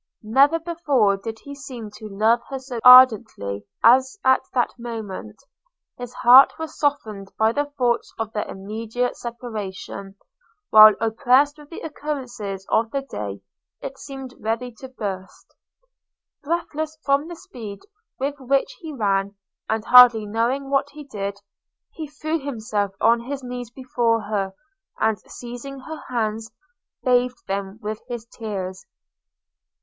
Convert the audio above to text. Never before did he seem to love her so ardently as at that moment; his heart was softened by the thoughts of their immediate separation, while, oppressed with the occurrences of the day, it seemed ready to burst. – Breathless from the speed with which he ran, and hardly knowing what he did, he threw himself on his knees before her, and, seizing her hands, bathed them with his tears.